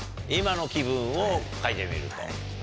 今の気分を書いてみると。